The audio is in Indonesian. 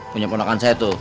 punya bonekan saya tuh